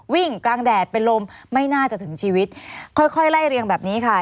วิ่งกลางแดดเป็นลมไม่น่าจะถึงชีวิตค่อยค่อยไล่เรียงแบบนี้ค่ะ